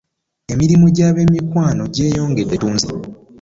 Emirimu gy'ebyemikono gyeyongedde ettunzi.